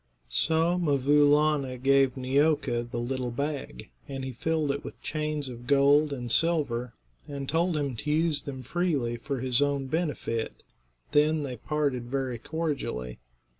So 'Mvoo Laana gave Neeoka the little bag, and he filled it with chains of gold and silver, and told him to use them freely for his own benefit. Then they parted very cordially.